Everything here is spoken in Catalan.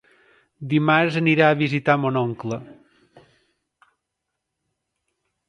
Dimarts anirà a visitar mon oncle.